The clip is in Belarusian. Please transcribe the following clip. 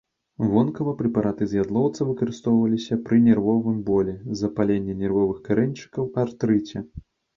Вонкава прэпараты з ядлоўца выкарыстоўваліся пры нервовым болі, запаленні нервовых карэньчыкаў, артрыце.